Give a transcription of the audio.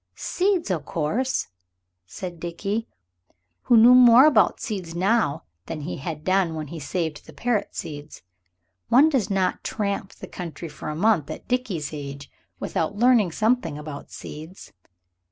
"Seeds, o' course," said Dickie, who knew more about seeds now than he had done when he saved the parrot seeds. One does not tramp the country for a month, at Dickie's age, without learning something about seeds.